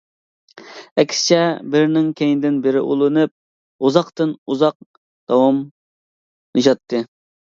ئەكسىچە، بىرىنىڭ كەينىدىن بىرى ئۇلىنىپ، ئۇزاقتىن-ئۇزاق داۋاملىشاتتى.